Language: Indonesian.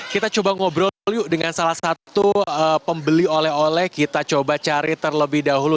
kita coba ngobrol yuk dengan salah satu pembeli oleh oleh kita coba cari terlebih dahulu